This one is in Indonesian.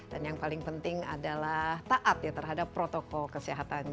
dan yang paling penting adalah taat ya terhadap protokol kesehatan